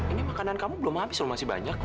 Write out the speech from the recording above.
ini makanan kamu belum habis loh masih banyak